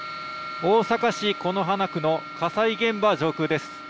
大阪市此花区の火災現場上空です。